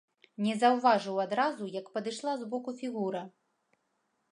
Не заўважыў адразу, як падышла збоку фігура.